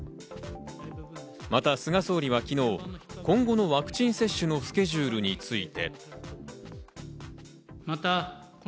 また菅総理は昨日、今後のワクチン接種のスケジュールについて。